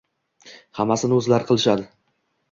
Hammasini o`zlari qilishadi